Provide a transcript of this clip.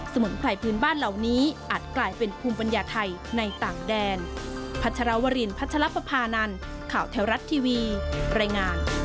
มุนไพรพื้นบ้านเหล่านี้อาจกลายเป็นภูมิปัญญาไทยในต่างแดน